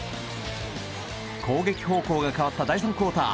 攻撃方向が変わった第３クオーター。